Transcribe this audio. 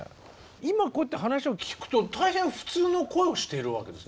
今こうやって話を聞くと大変普通の声をしているわけですね。